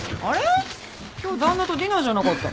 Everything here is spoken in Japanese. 今日旦那とディナーじゃなかったの？